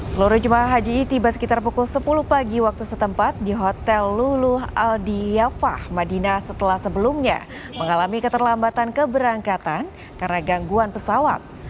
seluruh jemaah haji tiba sekitar pukul sepuluh pagi waktu setempat di hotel luluh aldiafah madinah setelah sebelumnya mengalami keterlambatan keberangkatan karena gangguan pesawat